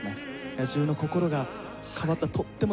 野獣の心が変わったとっても切ない。